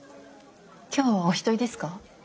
今日はお一人ですか？